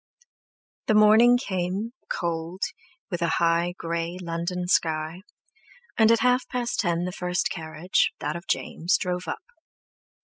_ The morning came, cold, with a high, grey, London sky, and at half past ten the first carriage, that of James, drove up.